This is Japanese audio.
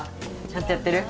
ちゃんとやってる？